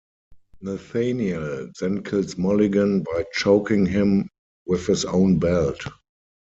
Nathaniel then kills Mulligan by choking him with his own belt.